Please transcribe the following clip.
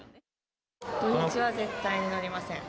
土日は絶対に乗りません。